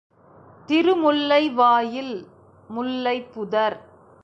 திருமுல்லை வாயில் முல்லைப்புதர்.